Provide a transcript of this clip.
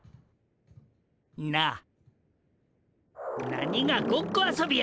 な何がごっこ遊びや。